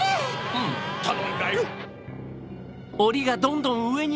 うんたのんだよ。